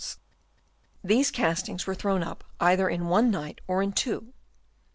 All these castings were thrown up either in one night or in two.